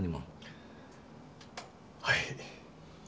はい。